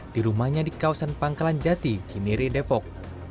di rumahnya di kawasan pangkalan jati di neri depok